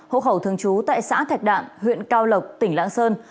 hộ khẩu thường chú tại xã thạch đạn huyện cao lộc tỉnh lạng sơn